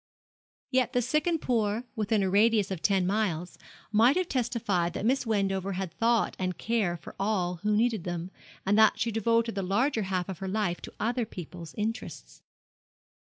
Yet the sick and poor, within a radius of ten miles, might have testified that Miss Wendover had thought and care for all who needed them, and that she devoted the larger half of her life to other people's interests.